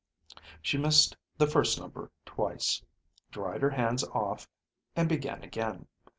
She missed the first number twice, dried her hands off, and began again.